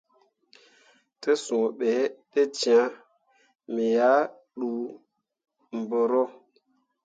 Te sũũ be ne cãã, me ah ɗuu mbǝro.